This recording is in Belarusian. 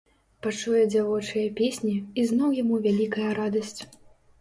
Пачуе дзявочыя песні, і зноў яму вялікая радасць.